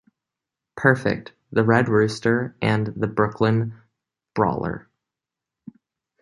Perfect, The Red Rooster, and The Brooklyn Brawler.